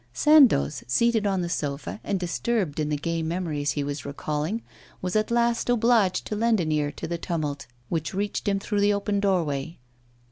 Sandoz, seated on the sofa, and disturbed in the gay memories he was recalling, was at last obliged to lend ear to the tumult which reached him through the open doorway.